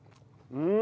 うん！